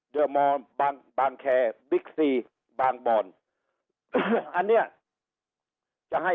เดอร์มอนบางบางแคร์บิ๊กซีบางบอนอันเนี้ยจะให้